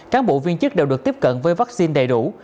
cán bộ viên chức đều được tiếp cận với vaccine đầy đủ